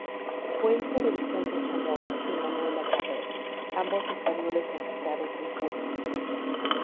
Fue hijo de Vicente Chamorro y Manuela Carrera, ambos españoles afincados en Puno.